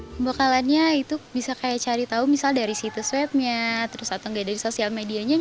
pembelakangannya itu bisa cari tahu dari situs webnya atau dari sosial medianya